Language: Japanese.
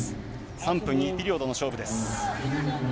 ３分、２ピリオドの勝負です。